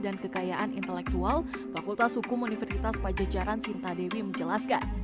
dan kekayaan intelektual fakultas hukum universitas pajajaran sintadewi menjelaskan